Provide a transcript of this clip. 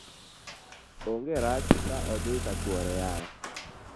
ong'e rach ka odhi kachoure yawa